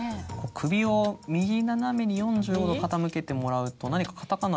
首を右斜めに４５度傾けてもらうと何かカタカナで。